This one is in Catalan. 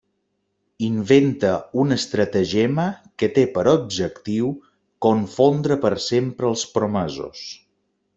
Inventa un estratagema que té per objectiu confondre per sempre els promesos.